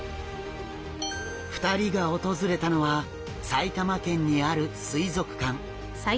２人が訪れたのは埼玉県にある水族館。